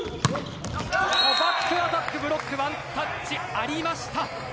バックアタックブロック、ワンタッチありました。